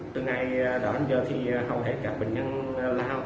từ ngày đến giờ thì hầu hết cả bệnh nhân lao